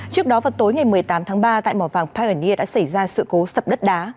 trước đó vào tối ngày một mươi tám tháng ba tại mỏ vàng pioneer đã xảy ra sự cố sập đất đá